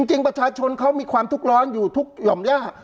จริงประชาชนเขามีความทุกข์ร้อนอยู่ทุกหย่อมย่า